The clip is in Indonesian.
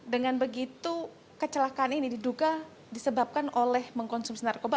dengan begitu kecelakaan ini diduga disebabkan oleh mengkonsumsi narkoba